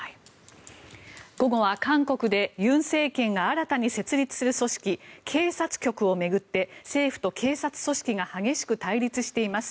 午後は韓国で尹政権が新たに設立する組織警察局を巡って政府と警察組織が激しく対立しています。